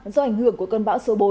do ảnh hưởng của cơn bão số bốn